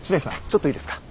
ちょっといいですか。